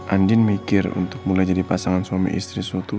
andin mikir untuk mulai jadi pasangan suami istri suatu